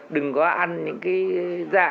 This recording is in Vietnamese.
đừng có ăn những cái dạ